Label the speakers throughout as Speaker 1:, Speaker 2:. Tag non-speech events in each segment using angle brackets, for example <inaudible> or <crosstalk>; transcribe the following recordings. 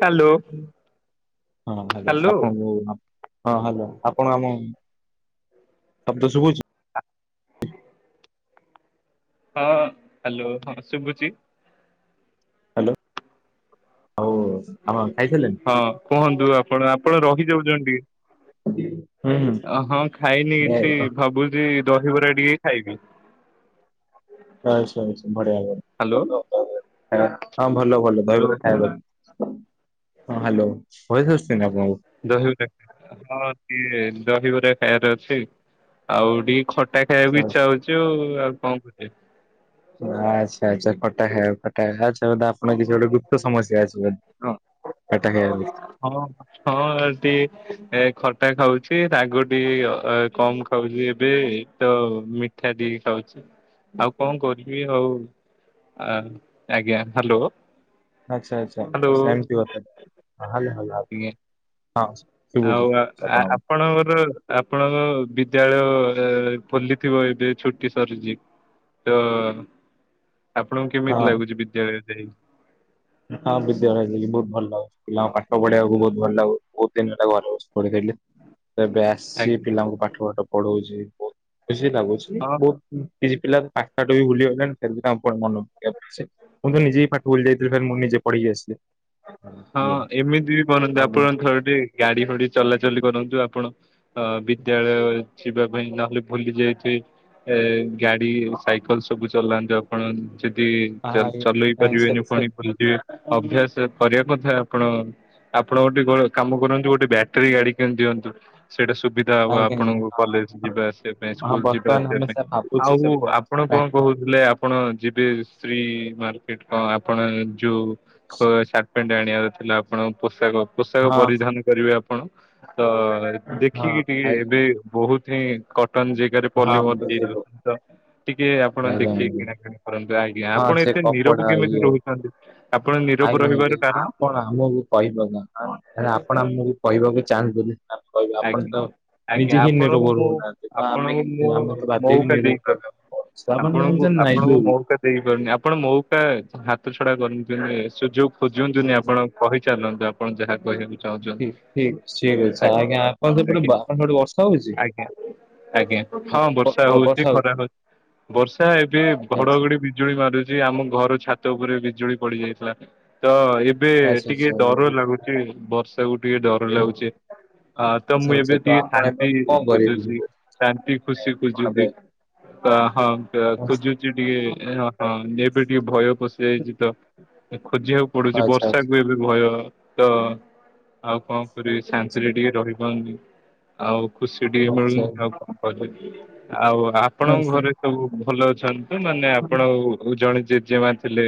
Speaker 1: Hello
Speaker 2: ହଁ hello
Speaker 1: hello
Speaker 2: ଆପଣ ଯ ହଁ ହାଲୋ ଆପଣ ଆମ ଆମ ତ ଶୁବୁଛି।
Speaker 1: ହଁ ହାଲୋ ହଁ ଶୁଭୁଛିି।
Speaker 2: ହାଲୋ।
Speaker 1: ହଁ କୁହନ୍ତୁ ଆପଣ ଆପଣ ରହିଯାଉଛନ୍ତି
Speaker 2: ହୁଁ ହୁଁ
Speaker 1: ଟିକେ। ଅ ହଁ ଖାଇନି
Speaker 2: ଏ
Speaker 1: କିଛି ଭାବୁଛି। ଦହିବରା ଟିକେ ଖାଇବି।
Speaker 2: ଆଚ୍ଛା ଆଚ୍ଛା। ବଢିଆ ବ
Speaker 1: ହ୍ୟାଲୋ।
Speaker 2: ଭଲ ଖାଇବା ହଁ ଭଲ ଭଲ ଦହି
Speaker 1: ହ୍ୟାଲୋ
Speaker 2: ବରା ଖାଇବା। ହଁ ହାଲୋ।
Speaker 1: ଦହି ବରା ହଁ ଏ ଦହି ବରା ଖାଇବାର ଅଛି ଆଉ ଟିକେ ଖଟା ଖାଇବା ବି ଚାହୁଛି ଆଉ ଆଉ କଣ କହୁଛ?
Speaker 2: ଆଚ୍ଛା ଆଚ୍ଛା ଆଉ ଫଟା ଆଚ୍ଛା ବଧ ଆପଣଙ୍କ କିଛି ଗୋଟେ ଗୁପ୍ତ ସମସ୍ୟା ଅଛି ବୋ
Speaker 1: ହଁ ହଁ ଏ ଟିକେ ଖର୍ଚ୍ଚ ଖଟା ଖାଉଛି ରାଗଟି କମ ଖାଉଛି ଏବେ ତ ମିଠା ଟିକେ ଖାଉଛି। ଆଉ କଣ କରିବି ଆଉ ଆଜ୍ଞା ହାଲୋ।
Speaker 2: ଆଚ୍ଛା ଆଚ୍ଛା ଆଚ୍ଛା ଏମତି ହାଲୋ ହାଲୋ ଆ
Speaker 1: ଆଜ୍ଞା ଆଉ ଆପଣଙ୍କର ଆପଣଙ୍କ ବିଦ୍ୟାଳୟ ଖୋଲିଥିବ ଏବେ ଛୁଟି ସରିଚି। ତ ଆପଣଙ୍କୁ
Speaker 2: ହଁ।
Speaker 1: କେମିତି ଲାଗୁଛି ବିଦ୍ୟାଳୟରେ ଯାଇ କି?
Speaker 2: ହଁ ବିଦ୍ୟାଳୟ ବହୁତ ଭଲ ଲାଗୁଛି ପିଲା ପାଠ ପଢିବାକୁ ବହୁତ ଭଲ ଲାଗୁ ବହୁତ ଦିନ ହେ ଭଲ ଲାଗୁଛି। ପଢିଥିଲି ଏବେ ଆସି
Speaker 1: ଆଜ୍ଞା
Speaker 2: ପିଲାଙ୍କୁ ପାଠ ପାଠ ପଢଉଛି ବହୁତ ବୁସି ଭାବୁଛି
Speaker 1: ହଁ
Speaker 2: ବହୁତ କିଛି ପିଲା ପାଖାଠ ବି ଭୁଲିଗଲେଣିି ସେ କ ମନ ମୁଁ ତ ନିଜେ ହି ପାଠ ଭୁଲି ଯାଇଥିଲି ମୁଁ ନିଜେ ପଢିକି ଆସିଲି।
Speaker 1: ହଁ
Speaker 2: ଇଏ
Speaker 1: ଏମିତି ବି କରନ୍ତୁ ଆପଣ ଥର ଟିକେ ଗାଡି ଫାଡି ଚଲାଚଲି କରନ୍ତୁ ଆପଣ ଅ ବିଦ୍ୟାଳୟ ଯିବା ପାଇଁ ନହେଲେ ଭୁଲି ଯାଇଥିବ। ଏ ଗାଡି ସାଇକେଲ ସବୁ ଚଲାନ୍ତୁ ଆପଣ ସେଠି
Speaker 2: ଆହାରି,
Speaker 1: ଚଲେଇ
Speaker 2: ନାଇଁ ସେ
Speaker 1: ପାରିବେନି
Speaker 2: ସେ
Speaker 1: ପୁଣି ଭୁଲିଯିବେ ଅଭ୍ୟାସ। କରିବା ଆପଣ ଆପଣ ଗୋଟେ କାମ କରନ୍ତୁ ଗୋଟେ ବ୍ୟାଟେରୀ ଗାଡି କେ ଦିଅନ୍ତୁ। ସେଇଟା ସୁବିଧା ହବ
Speaker 2: ଆଉ କାହିଁକି?
Speaker 1: ଆପଣଙ୍କୁ କଲେଜ
Speaker 2: ହଁ
Speaker 1: ଯିବା ଆସିବା ପାଇଁ
Speaker 2: ହଁ,
Speaker 1: ସ୍କୁଲ ଯିବା
Speaker 2: ବର୍ତ୍ତମାନ
Speaker 1: ଆସିବା
Speaker 2: ଆମେ
Speaker 1: ପାଇଁ
Speaker 2: ସେ ଭାବୁଛି
Speaker 1: ଆଉ
Speaker 2: ସେ
Speaker 1: ଆପଣଙ୍କ
Speaker 2: ପ୍ରା-
Speaker 1: କଣ କହୁଥିଲେ ଆପଣ। ଯିବେ ସ୍ତ୍ରୀ ମାର୍କେଟ କଣ ଆପଣ ଯୋଉ ପେଣ୍ଡ ଆଣିବାର ଥିଲା ଆପଣ ପୋଷାକ ପୋଷାକ
Speaker 2: ହଁ
Speaker 1: ପରିଧାନ କରିବେ ଆପଣ। ତ
Speaker 2: ହଁ
Speaker 1: ଦେଖିକି ଟିକେ
Speaker 2: ଆଇ
Speaker 1: ଏବେ ବହୁତ ହିଁ କ ପ
Speaker 2: ହଁ
Speaker 1: ଦେଇଉଛନ୍ତି
Speaker 2: ବୁଝିଲୁ।
Speaker 1: ତ ଟିକେ ଆପଣ
Speaker 2: ଆଜ୍ଞା,
Speaker 1: ଦେଖିକି
Speaker 2: ଆଜ୍ଞା।
Speaker 1: କିଣାକିଣା କରନ୍ତୁ ଆଜ୍ଞା
Speaker 2: ହଁ
Speaker 1: ଆପଣ।
Speaker 2: ସେ
Speaker 1: ନିରବ
Speaker 2: କପଡା
Speaker 1: କେମିତି
Speaker 2: ଇଏ
Speaker 1: ରହୁଛନ୍ତି ଆପଣ ନିରବ
Speaker 2: ଆଜ୍ଞା
Speaker 1: ରହିବାର
Speaker 2: ଆଜ୍ଞା
Speaker 1: କାରଣ
Speaker 2: ଆପଣ ଆମକୁ କହିପାରୁ ନାହାଁନ୍ତି ଆପଣ ଆମକୁ କହିବାକୁ ଚାହାଁନ୍ତୁନି କହିବେ ଆପଣ
Speaker 1: ଆଜ୍ଞା
Speaker 2: ତ
Speaker 1: ଆଜ୍ଞା
Speaker 2: ନିଜେ ହିଁ
Speaker 1: ଆପଣଙ୍କୁ
Speaker 2: ନିରଭର
Speaker 1: ମୁଁ
Speaker 2: ହଉନାହାନ୍ତି ତ ଆମେ
Speaker 1: ଆପଣଙ୍କୁ
Speaker 2: କେମତି
Speaker 1: ମୁଁ
Speaker 2: ଆମେ ତ ବାଧ୍ୟ ବି
Speaker 1: ମଉକା
Speaker 2: ନିରଭ
Speaker 1: ଦେଇପାରୁନି
Speaker 2: ରହିବାକୁ ପ
Speaker 1: ଆପଣଙ୍କୁ ଆପଣଙ୍କୁ ମଉକା ଦେଇପାରୁନି ଆପଣ ମଉକା ଛଡ଼ା କର ଦ ସୁଯୋଗ। ଖୋଜନ୍ତୁନି
Speaker 2: ଆଜ୍ଞା।
Speaker 1: ଆପଣ କହିଚଲନ୍ତୁ ଆପଣ ଯାହା କହିବାକୁ ଚାହୁଁଛନ୍ତି ।
Speaker 2: ହ ସେପଟେ। ହଉଛି?
Speaker 1: ଆଜ୍ଞା ଆଜ୍ଞା ହଁ ବର୍ଷା ହଉଛି ଖରା ହଉଛି। ବର୍ଷା ଏବେ ଘଡ଼ଘଡ଼ି ବିଜୁଳି ମାରୁଛି ଆମ ଘର ଛାତ ଉପରେ। ବିଜୁଳି ପଡ଼ି ଯାଇଥିଲା ତ ଏ ଏବେ
Speaker 2: ଆଚ୍ଛା
Speaker 1: ଟିକେ
Speaker 2: ଆଚ୍ଛା
Speaker 1: ଡର ଲାଗୁଛି ବର୍ଷା କୁ ଟିକେ ଡର ଲାଗୁଛି। ହଁ ତ
Speaker 2: ଆଚ୍ଛା
Speaker 1: ମୁଁ
Speaker 2: ଆଚ୍ଛା
Speaker 1: ଏବେ
Speaker 2: ତ
Speaker 1: ଟିକେ
Speaker 2: ଆପଣ ଏବେ
Speaker 1: ଶାନ୍ତି
Speaker 2: କଣ କରିବେ
Speaker 1: ଖୋଜୁଛି
Speaker 2: ମାନେ
Speaker 1: ଶାନ୍ତି ଖୁସି
Speaker 2: ଆପଣ
Speaker 1: ଖୋଜୁଛି।
Speaker 2: ଏବେ
Speaker 1: ତ ହଁ
Speaker 2: ଆଚ୍ଛା
Speaker 1: ଖୋଜୁଛି ଟିକେ ହଁ ଏବେ ଟିକେ ଭୟ ପଶିଯାଇଛି ତ କ। ଖୋଜିବାକୁ ପଡୁଛି
Speaker 2: ଆଚ୍ଛା
Speaker 1: ବର୍ଷାକୁ ଏବେ ଭୟ ତ ଆଉ କଣ। ଶାନ୍ତିରେ ଟିକେ ରହିପାରୁନି ଆଉ। ଖୁସି ଟିକେ ମିଳୁନି
Speaker 2: ଆଚ୍ଛା
Speaker 1: ଆଉ କଣ କରିବି। ଆଉ ଆପଣଙ୍କ ଘରେ ସବୁ ଭଲ ଅଛନ୍ତି ତ ନା। ଆପଣ ଜଣେ ଜେଜେମା ଥିଲେ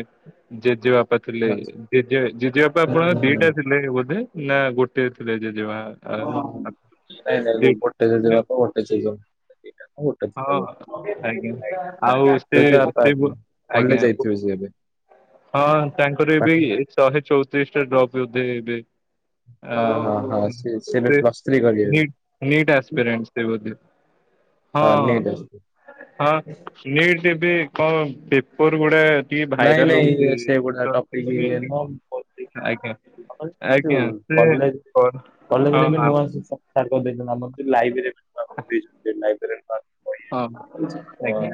Speaker 1: ଜେଜେବା ପା ଥିଲେ ଜେଜେ ଜେଜେ ବାପା ଆପଣଙ୍କ
Speaker 2: ଆଚ୍ଛା
Speaker 1: ଦିଟା
Speaker 2: ଆଚ୍ଛା
Speaker 1: ଥିଲେ ବୋଧେ ନା ଗୋଟେ ଥିଲେ ଯେ ଆ ଆ,
Speaker 2: ନାଇଁ ନାଇଁ
Speaker 1: ଦିଟା।
Speaker 2: ଗୋଟେ ଜେଜେବାପା ଗୋଟେ ଜେଜେମା
Speaker 1: ଆ, ହଁ ଆଜ୍ଞା ଆଉ ସେ ସେ ବ- ଆଜ୍ଞା
Speaker 2: <unintelligible> ଯାଇଥିବେ ହଁ
Speaker 1: ହଁ ତାଙ୍କର ଏ ବି ଆଁ ସେ।
Speaker 2: ହଁ ହଁ ହଁ ସିଏ ସିଏ ଏବେ ପ୍ଲସ୍ ଥ୍ରୀ କରିବେ
Speaker 1: ନି ନିଟ୍ ଅସ୍ପିରେଣ୍ଟ ସେ ବୋଧେ। ହଁ ହଁ ନିଟ୍ ବି କଣ ପେପର ଗୁଡ଼ା। ଟିକେ
Speaker 2: ନାଇଁ
Speaker 1: ଭାଇରାଲ୍
Speaker 2: ନାଇଁ ସେ ଗୋଟେ ଟପିକ୍ ଇଏ
Speaker 1: ହେଉଛି
Speaker 2: ନୁହଁ ମୁଁ
Speaker 1: <unintelligible>
Speaker 2: କହୁଥିଲି ଯୋଉ କଲେଜ କଲେଜରେ ବି ନୂଆ
Speaker 1: <inaudible>
Speaker 2: <unintelligible> ଲାଇବ୍ରେରୀ ଲାଇବ୍ରେରୀ
Speaker 1: ହଁ ଆଜ୍ଞା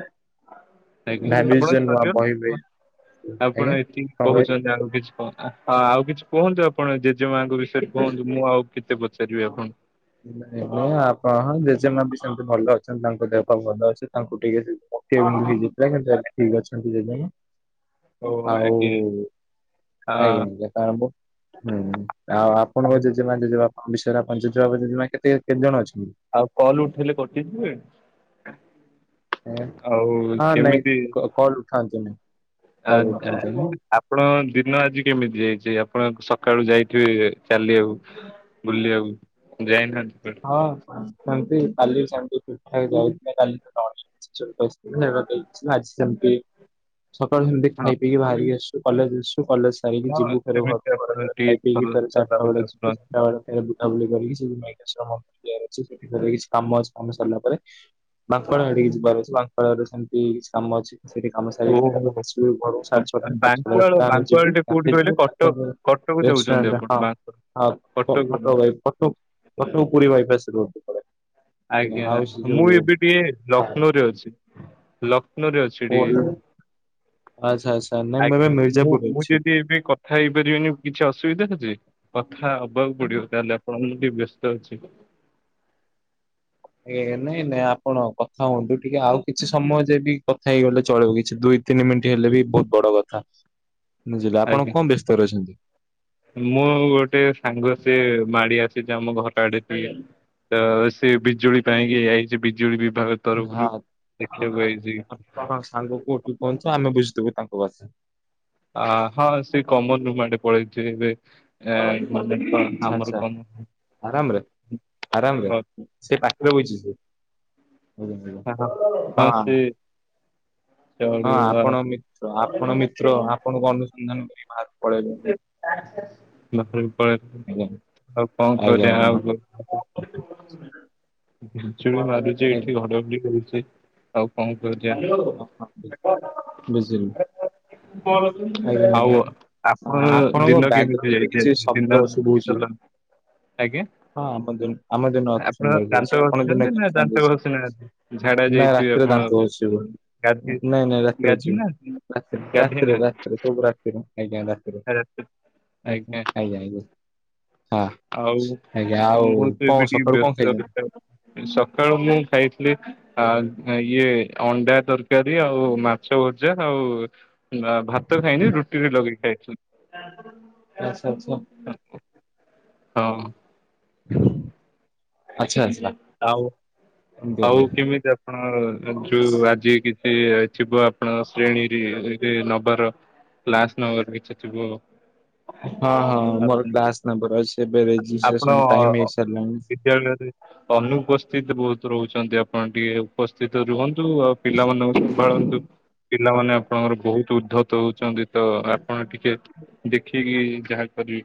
Speaker 1: ଆଜ୍ଞା ଆପଣ
Speaker 2: ବହି
Speaker 1: <unintelligible>
Speaker 2: ଆଜ୍ଞା
Speaker 1: ଆପଣ ଏତିକି
Speaker 2: କଣ କହିଲେ?
Speaker 1: କହୁଛନ୍ତି ଆହୁରି। ହଁ ଆଉ କିଛି କୁହନ୍ତୁ ଆପଣ ଜେଜେମାଙ୍କ ବିଷୟରେ କୁହନ୍ତୁ ମୁଁ ଆଉ କେତେ ପଚାରିବି ଆପଣ
Speaker 2: ନାଇଁ ନାଇଁ ଆପଣ ହଁ ଜେଜେମା ବି ସେମିତି ଭଲ ଅଛନ୍ତି। ତାଙ୍କୁ ଦେହ ପାହା ଭଲ ଅଛି ତାଙ୍କୁ ଟିକେ <unintelligible> ହେଇଯାଇଥିଲା କିନ୍ତୁ ଏବେ ଠିକ ଅଛନ୍ତି ଜେଜେମା
Speaker 1: ଓ
Speaker 2: ଆଉ
Speaker 1: ଆଜ୍ଞା। ଆ
Speaker 2: ଆଜ୍ଞା ଆଜ୍ଞା ହୁଁ। ଅନୁସାର ଆପଣଙ୍କ ଜେଜେବାପା ଜେଜେମା କେତେ କେତେ ଜଣ ଅଛନ୍ତି।
Speaker 1: ଆଉ କଲ ଉଠେଇଲେ କଟିଯିବେ।
Speaker 2: ଆଜ୍ଞା
Speaker 1: ଆଉ
Speaker 2: ହଁ ନାଇଁ
Speaker 1: କେମିତି
Speaker 2: କ କଲ୍ ଉଠାନ୍ତୁନି
Speaker 1: ଆ
Speaker 2: କଲ୍ ଉଠାନ୍ତୁନି
Speaker 1: ଆପଣ ଦିନ ଆଜି କେମିତି ଯାଇଛି ଆପଣ ସକାଳୁ ଯାଇଥିବେ ଚାଲିବାକୁ ବୁଲିବାକୁ ଯାଇନାହାନ୍ତି। କୁଆଡେ?
Speaker 2: ହଁ ସେମିତି ଚାଲିଚି ବି ସେମିତି ଠିକଠାକ ଯାଇଥିଲା କାଲି। <unintelligible> ଆଜି ସେମ୍ତି। ସକାଳୁ ସେମିତି
Speaker 1: ହଁ
Speaker 2: ଖାଇପିଇକି ବାହାରିକି ଆସିଛୁ କଲେଜ ଆସିଛୁ କଲେଜ ସାରିକି
Speaker 1: ହଁ
Speaker 2: ଯିବୁ ଫେର
Speaker 1: ସେମିତି
Speaker 2: ଘରକୁ
Speaker 1: ଆପଣ ଟିକେ
Speaker 2: ଖାଇକି ପିଇକି
Speaker 1: ଚଲା
Speaker 2: ଫେରେ ଚାରିଟା
Speaker 1: ଚଲାବୁଲା
Speaker 2: ବେଳେ ଯିବୁ
Speaker 1: କରନ୍ତୁ।
Speaker 2: ସେତେବେଳେ ବୁଲାବୁଲି କରିକି <unintelligible> ସେଠି ତାଙ୍କର କିଛି କାମ ଅଛି ।କାମ ସରିଲା ପରେ ମାଙ୍କଡ ହାଡିକି ଯିବାର ଅଛି। <unintelligible> ସେମତି କାମ କିଛି ଅଛି। ସେଠି କାମ ସାରିକି
Speaker 1: ଓହୋ
Speaker 2: <unintelligible>
Speaker 1: ବାଙ୍କୁଆଳ
Speaker 2: ଆମେ
Speaker 1: ବାଙ୍କୁଆଳ
Speaker 2: ଯିବୁ
Speaker 1: ଟେ କୋଉଠି କହିଲେ କଟକ
Speaker 2: <unintelligible>
Speaker 1: କଟକ ଯାଉଛନ୍ତି
Speaker 2: ରେଷ୍ଟୁରାଣ୍ଟରେ
Speaker 1: ଆପଣ
Speaker 2: ହଁ
Speaker 1: ବାଙ୍କ କଟକ
Speaker 2: ଫଟୋ
Speaker 1: ଗଲେ।
Speaker 2: ଭାଇ ଫଟୋ ପୁରୀ ବାଇପାସ୍ ରୋଡ
Speaker 1: ଆଜ୍ଞା
Speaker 2: ଆଉ ସେ
Speaker 1: ମୁଁ
Speaker 2: ଯୋଉ
Speaker 1: ଏବେ ଟିକେ ଲଷ୍ନୌରେ ଅଛି। ଲକ୍ଷ୍ନୌରେ ଅଛି ଟିକେ।
Speaker 2: ଆଚ୍ଛା ଆଚ୍ଛା ନାଇଁ ମୁଁ ଏବେ
Speaker 1: ଆଜ୍ଞା ମୁଁ
Speaker 2: ମିର୍ଜାପୁରରେ
Speaker 1: ମୁଁ
Speaker 2: ଅଛି।
Speaker 1: ଯଦି ଏବେ କଥା ହେଇପାରିବିନି କିଛି ଅସୁବିଧା ଅଛି। କଥା ହବାକୁ ପଡିବ ତାହେଲେ ଆପଣଙ୍କ ମୁଁ ବ୍ୟସ୍ତ ଅଛି।
Speaker 2: ହଁନ୍ତୁ ଟିକେ ଆଉ କିଛି ସମୟ ଯେ ବି କଥା ହେଇଗଲେ ଚଳିବ କିଛି ଦୁଇ ତିନି ମିନିଟ୍ ହେଲେ ବି ବହୁତ ବଡ କଥା। ବୁଝିଲେ ଆପଣ
Speaker 1: ଆଜ୍ଞା।
Speaker 2: କଣ ବ୍ୟସ୍ତରେ ଅଛନ୍ତି?
Speaker 1: ମୁଁ ଗୋଟେ ସାଙ୍ଗ ସେ ମାଡି ଆସିଛି ଆମ ଘର ଆଡେ ଟିଏ ତ ସେ ବିଜୁଳି ପାଇଁକି ଆଇଛି ବିଜୁଳି ବି
Speaker 2: ହଁ ଆ କଣ ସାଙ୍ଗ କଉଠି ପହଞ୍ଚୁ ଆମେ ବୁଝିଦବୁ ତାଙ୍କୁ। ହଉ ଆସ।
Speaker 1: ଆ ହଁ ସେ କମନ୍ ରୁମ୍ ଆଡେ ପଳେଇଛି ଏବେ। ଏ ମ ଆମର
Speaker 2: ଆଚ୍ଛା ଆଚ୍ଛା
Speaker 1: କ
Speaker 2: ଆରାମରେ ଆରାମରେ ସେ ପାଖରେ ବଇଛି ସେ। ଆଜ୍ଞା, ଆଜ୍ଞା।
Speaker 1: ହ ହ ହଁ ସେ
Speaker 2: ହଁ
Speaker 1: ଚଳିବ ଆଉ।
Speaker 2: ଆପଣ ମି ଆପଣ ମିତ୍ର ଆପଣଙ୍କ ଅନୁସନ୍ଧାନ କରି ବାହାରକୁ ପଳେଇବେ।
Speaker 1: <unintelligible> ବା ପଳେଇ
Speaker 2: ଆଜ୍ଞା
Speaker 1: ଆଉ କଣ
Speaker 2: ଆଜ୍ଞା
Speaker 1: କରିବା
Speaker 2: ଆଜ୍ଞା ଆଜ୍ଞା
Speaker 1: ଆଉ
Speaker 2: ହଁ
Speaker 1: ଘଞ୍ଚୁ ମାରୁଛି ଏଇଠି ଘଡଘଡ଼ି କରୁଛି, ଆଉ
Speaker 2: ହଁ, ବୁଝିଲି।
Speaker 1: କଣ?
Speaker 2: ଆଜ୍ଞା ଆଜ୍ଞା
Speaker 1: ଆଉ। ଆପଣ
Speaker 2: ଆପଣଙ୍କ
Speaker 1: ଦିନ କେମିତି
Speaker 2: ବ୍ୟାକଗ୍ରାଉଣ୍ଡରେ
Speaker 1: ଯାଇଛି,
Speaker 2: କିଛି
Speaker 1: ଆଜି
Speaker 2: ଶବ୍ଦ
Speaker 1: ଦିନ
Speaker 2: ଶୁଭୁଛି।
Speaker 1: ଆଜ୍ଞା।
Speaker 2: ହଁ ଆମ ଦିନ ଆମ ଦିନ ଅତି
Speaker 1: ଆପଣ
Speaker 2: ସୁନ୍ଦର
Speaker 1: ଦାନ୍ତ
Speaker 2: ଯାଇଛି ଆପଣ ଦିନ
Speaker 1: ଘଷିଛନ୍ତି ନା ଦାନ୍ତ ଘଷି ନାହାନ୍ତି? ଝାଡା
Speaker 2: ନା
Speaker 1: ଯାଇଥିବେ
Speaker 2: ରାତିରେ
Speaker 1: ଆପଣ
Speaker 2: ଦାନ୍ତ ନାଇଁ
Speaker 1: ଗାଧୋଇ
Speaker 2: ନାଇଁ ରାତିରେ
Speaker 1: ଗାଧୋଇ ନାହାନ୍ତି?
Speaker 2: ଯିବୁ ରାତି
Speaker 1: ଗାଧୋଇ
Speaker 2: ରାତିରେ
Speaker 1: ନାହାନ୍ତି
Speaker 2: ରାତି ରାତିରେ ଆଜ୍ଞା ରାତିରେ ଆଜ୍ଞା ଆଜ୍ଞା। ହଁ
Speaker 1: ଆଉ।
Speaker 2: ଆଜ୍ଞା ଆଉ
Speaker 1: ମୋ ତ
Speaker 2: କଣ
Speaker 1: ଏବେ ଟିକେ
Speaker 2: ସକାଳୁ କଣ ଖାଇଛନ୍ତି?
Speaker 1: ବ୍ୟସ୍ତ ସକାଳୁ ମୁଁ ଖାଇଥିଲି ଆ ଇଏ ଅଣ୍ଡା ତରକାରୀ ଆଉ ମାଛ ଭଜା ଆଉ ଭାତ ଖାଇନି ରୁଟିରେ ଲଗେଇକି ଖାଇଚି।
Speaker 2: ଆଚ୍ଛା ଆଚ୍ଛା।
Speaker 1: ହଁ।
Speaker 2: ହ
Speaker 1: ଆଉ
Speaker 2: ଏମିତି
Speaker 1: ଆଉ
Speaker 2: କଥା।
Speaker 1: କେମିତି ଆପଣ ଯୋଉ ଆଜି କିଛି ଏ ଥିବ ଆପଣ ଶ୍ରେଣୀରେ ନବାର କ୍ଲାସ ନବର କିଛି ଥିବ।
Speaker 2: ହଁ ହଁ ମୋର
Speaker 1: ଆପଣ
Speaker 2: କ୍ଲାସ ନବର ଅଛି। ଏବେ ରେଜିଷ୍ଟ୍ରେସନ
Speaker 1: ଆପଣ
Speaker 2: ଟାଇମ ହେଇସାରିଲାଣି।
Speaker 1: ବିଦ୍ୟାଳୟରେ ଅନୁପସ୍ଥିତ ବହୁତ ରହୁଛନ୍ତି ଆପଣ ଟିକେ ଉପସ୍ଥିତ ରୁହନ୍ତୁ। ଆଉ ପିଲାମାନଙ୍କୁ ସମ୍ଭାଳନ୍ତୁ, ପିଲାମାନେ
Speaker 2: ଆଜ୍ଞା
Speaker 1: ଆପଣଙ୍କର ବହୁତ ଉଦ୍ଧତ ହଉଛନ୍ତି। ତ ଆପଣ ଟିକେ ଦେଖିକି ଯାହା କରିବେ।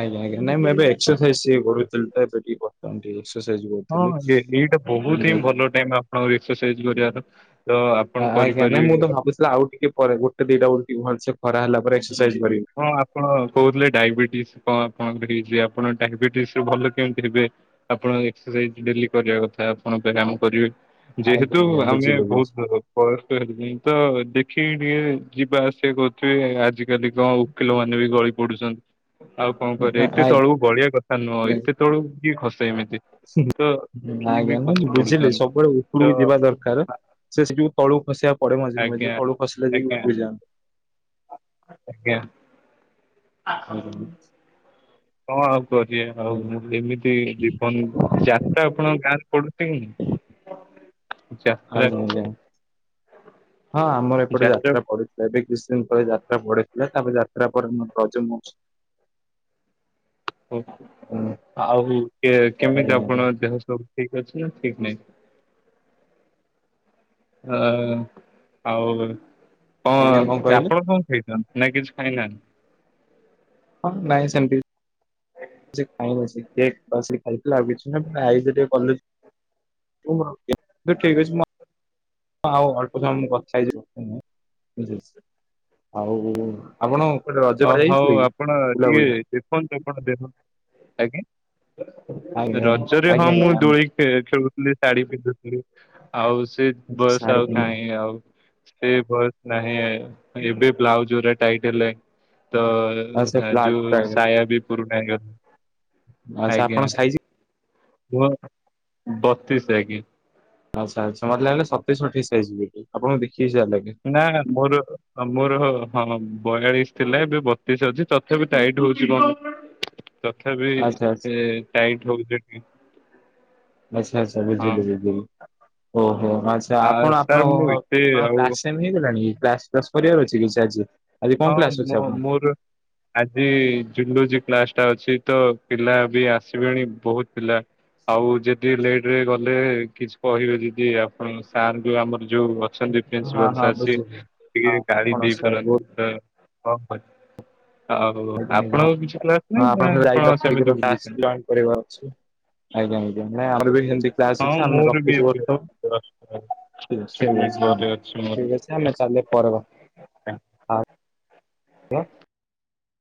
Speaker 2: ଆଜ୍ଞା ଆଜ୍ଞା ନାଇଁ ମୁଁ ଏବେ ଟିକେ ଏକ୍ସରସାଇଜ କରୁଥିଲି ତ ଏକ୍ସରସାଇଜ
Speaker 1: ହଁ
Speaker 2: କରୁଥିଲି।
Speaker 1: ଏଇଟା ବହୁତ ହିଁ ଭଲ ଟାଇମ ଆପଣଙ୍କ ଏକ୍ସରସାଇଜ କରିବାର ତ ଆପଣ
Speaker 2: ଆଜ୍ଞା ନାଇଁ ମୁଁ
Speaker 1: କରିପାରିବେ
Speaker 2: ତ ଭାବୁଥିଲି ଆଉ ଟିକେ ପରେ ଗୋଟେ ଦିଟା ବେଳକୁ ଭଲସେ ଖରା ହେଲା ପରେ ଏକ୍ସରସାଇଜ କରିବି।
Speaker 1: ହଁ ଆପଣ କହୁଥିଲେ ଡାଇବେଟିସ୍ କଣ ଆପଣଙ୍କର ହେଇଛି ଆପଣ ଡାଇବେଟିସ ଭଲ କେମିତି ହେବେ ଆପଣ ଏକ୍ସରସାଇଜ ଡେଲି କରିବା କଥା। ଆପଣ ବୟାମ କରିବେ,
Speaker 2: ଆଜ୍ଞା
Speaker 1: ଯେହେତୁ
Speaker 2: ଆଜ୍ଞା ବୁଝିଲି
Speaker 1: ଆମେ
Speaker 2: ବୁଝିଲି
Speaker 1: ବହୁତ ବୟସ୍ ହେଲେ ତ ଏ ଯିବା ଆସିବା କରୁଥିବେ, ଆଜିକାଲି କଣ ଓକିଲ ମାନେ ବି ଗଳି ପଡୁଛନ୍ତି। ଆଉ କଣ କରିବ,
Speaker 2: ଆ-
Speaker 1: ଏତେ
Speaker 2: ଆଜ୍ଞା।
Speaker 1: ତଳକୁ ବଢିଆ କଥା ନୁହଁ ଏତେ ତଳକୁ କିଏ ଖସେ ଏମିତି ତ କିଏ ବି
Speaker 2: ଆଜ୍ଞା, ନାଇଁ
Speaker 1: ଖସି
Speaker 2: ମୁଁ ବୁଝିଲି
Speaker 1: ପଡୁଛନ୍ତି
Speaker 2: ସବୁବେଳେ
Speaker 1: ତ
Speaker 2: ଉପରୁକୁ ଯିବା ଦରକାର ସେ ସେଠିକୁ ତଳୁ ଖସିବା ପଡେ ମଝିରେ
Speaker 1: ଆଜ୍ଞା।
Speaker 2: ମଝିରେ, ତଳ କୁ ଖସିଲେ ଯାକି
Speaker 1: ଆଜ୍ଞା
Speaker 2: ଉପୁରିଯାଆନ୍ତି।
Speaker 1: ଆଜ୍ଞା ।
Speaker 2: ହର <inaudible>
Speaker 1: ହଁ ଆଉ କର ଆଉ ଏମିତି ଜୀବନ ଯାତ୍ରା ଆପଣଙ୍କ ଗାଁରେ ପଡୁ ଯାତ୍ରା
Speaker 2: ଆଜ୍ଞା। ଆଜ୍ଞା। ହଁ ଆମର ଏପଟେ ଯାତ୍ରା ପଡିୁଥିଲା, ଏ ବି ବିଶଙ୍ଖଳ ଯାତ୍ରା ପଢଥିଲା ତାପରେ ଯାତ୍ରା ପରେ ମୁୋର ରଜମ ଅଛି <unintelligible>
Speaker 1: ହ ଆଉ
Speaker 2: ଆଜ୍ଞା
Speaker 1: କେମିତି
Speaker 2: ଆଜ୍ଞା
Speaker 1: ଆପଣ ଦେହ ସବୁ ଠିକ ଅଛି ନା ଠିକ ନାହିଁ? ହ ଆଉ
Speaker 2: ଆଜ୍ଞା କଣ
Speaker 1: କଣ,
Speaker 2: କହିଲେ?
Speaker 1: ଆପଣ କଣ ଖାଇଛନ୍ତି? ନକି ଖାଇନା?
Speaker 2: ହଁ ନାଇ ସେମିତି କିଛି ଖାଇନି ସେ କେକ୍ ବାସ ଖାଇଥିଲା ଆଉ କିଛି ନାହିଁ ଯ ଟ କ <unintelligible> ଠିକ ଅଛି । ହଁଉ ଅଳ୍ପ ସମ କ <unintelligible> ଛାଇ ବଝ ଆଉ ଆପଣ ରଜ
Speaker 1: ଅ
Speaker 2: କୁଆଡେ
Speaker 1: ହଉ
Speaker 2: ଯାଇଥିଲେ କି?
Speaker 1: ଆପଣ ଟିକେ
Speaker 2: ବୁଲାବୁଲି
Speaker 1: ଦେଖନ୍ତୁ ଆପଣ ଦେଖନ୍ତୁ ଆଜ୍ଞା
Speaker 2: ଆଜ୍ଞା
Speaker 1: ରଜରେ ହଁ
Speaker 2: ଆଜ୍ଞା
Speaker 1: ମୁଁ
Speaker 2: ଆଜ୍ଞା
Speaker 1: ଦୋଳି ଖେଳୁଥିଲି, ଶାଢୀ ପିନ୍ଧୁଥିଲି ଆଉ ସେ ବୟସ୍
Speaker 2: ସାଢେ
Speaker 1: ଆଉ
Speaker 2: ତିନି
Speaker 1: କାହିଁ ଆଉ, ସେ ବୟସ ନାହିଁ । ଏବେ ବ୍ଲାଉଜରେ ଟାଇଟ୍ ହେଲାଣି । ତ ଯୋଉ ସାୟା ବି ପୁରୁଣା
Speaker 2: ଆଚ୍ଛା, ଆପଣ ସାଇଜ
Speaker 1: ହ, ବତିଶ ଲାଗେ ।
Speaker 2: ଆଚ୍ଛା, ଆଚ୍ଛା, ମତେ ଲାଗିଲେତେଇଶ ଅଠେଇଶିଇଯିବ ଆପଣଙ୍କୁ ଦେଖି
Speaker 1: ନା ମୋର ମୋର ହଁ ବୟାଳିଶ ଥିଲା, ଏବେ ବତିଶ ଅଛି ତଥାପି ତାଇଟ ହଉଛି କଣ ତଥାପି
Speaker 2: ଆଚ୍ଛା ଆଚ୍ଛା
Speaker 1: ଟାଇଟ ହଉଛିିକ
Speaker 2: ଆଚ୍ଛା ଆଚ୍ଛା ବୁଝିଲି । ଓହୋ ଆଚ୍ଛା,
Speaker 1: ଆ
Speaker 2: ଆପଣ
Speaker 1: ସାର୍ ମୁଁ
Speaker 2: ଆପଣଙ୍କ,
Speaker 1: ଏତେ ଆଉ
Speaker 2: ଆପଣଙ୍କ ହେଇଗଲାଣି କ୍ଲାସ କରିବାର ଅଛି କିଛି ଆଜି? ଆଜି କଣ
Speaker 1: ହଁ
Speaker 2: କ୍ଲାସ ଅଛି
Speaker 1: ମୁ
Speaker 2: ଆପଣଙ୍କ?
Speaker 1: ମୋର ଆଜି ଜୁଲେଜୀ କ୍ଲାସ ଅଛି ତ ପିଲା ବି ଆସିବେଣି, ବହୁତ ପିଲା ଆଉ ଯଦି ଲେଟ ରେ ଗଲେ କିଛି କହିବେ ଯଦି ଆପଣ ସାର୍ ଯଉ ଆମର ଯୋଉ ଅଛନ୍ତି
Speaker 2: ହଁ
Speaker 1: ପ୍ରପାଲ
Speaker 2: ହଁ
Speaker 1: ସ ସ
Speaker 2: ବୁଝିଲି ହଁ
Speaker 1: ଟିକେ ଗାଡି
Speaker 2: ଆପଣ
Speaker 1: ଦେଇ
Speaker 2: ସାର୍
Speaker 1: କର <unintelligible> ହଉ
Speaker 2: ବହୁତ
Speaker 1: ଆପଣଙ୍କୁ କିଛି କ୍ଲାସ
Speaker 2: ହଁ
Speaker 1: ନାହିଁ ନା ଆପଣ
Speaker 2: ଯାଇକି
Speaker 1: ସେମିତି
Speaker 2: ଅଥରିକ କ୍ଲାସ୍
Speaker 1: ବୁଛନ୍ତି
Speaker 2: ଜଏନ୍ କରିବାର ଅଛି। ଆଜ୍ଞା, ଆଜ୍ଞା, ଆର ବି ହିନ୍ଦୀ କ୍ଲାସ
Speaker 1: ହଁ
Speaker 2: ଅଛି, ଆମେ
Speaker 1: ମୋର ବି
Speaker 2: ରଖିଛୁ
Speaker 1: ଏବେ ଜଷ୍ଟ
Speaker 2: ବର୍ତମାନ, ସେଇ ଠିକ ଅଛି, ଆମେ ଚାଲିଲ ପରେ
Speaker 1: ଆ <inaudible>
Speaker 2: ହ କ <unintelligible>